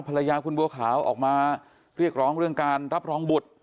ภรรยาคุณบัวขาวออกมาเรียกร้องเรื่องการรับรองบุตร